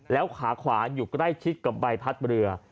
แล้วขาขวาอยู่ใกล้ชิดกับใบพัดเรือ